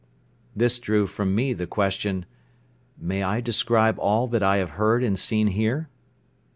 This drew from me the question: "May I describe all that I have heard and seen here?"